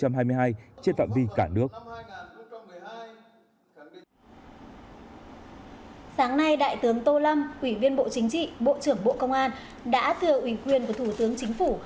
sáng nay đại tướng tô lâm ủy viên bộ chính trị bộ trưởng bộ công an đã thừa ủy quyền của thủ tướng chính phủ